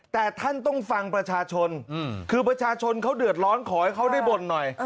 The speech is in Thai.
แต่ท่านต้องฟังประชาชนคือประชาชนเขาเดือดร้อนขอให้เขาได้บ่นหน่อย